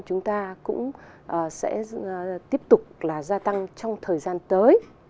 chúng ta cũng sẽ tiếp tục là gia tăng trong thời gian tới